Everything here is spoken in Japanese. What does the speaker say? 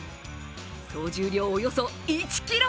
総重量およそ１ｋｇ。